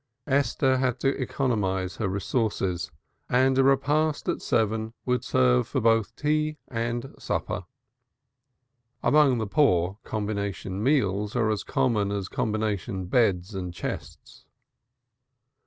Esther had to economize her resources and a repast at seven would serve for both tea and supper. Among the poor, combination meals are as common as combination beds and chests.